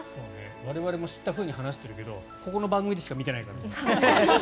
我々も知ったふうに話してますけどここの番組でしか見てないから。